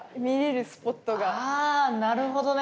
あなるほどね。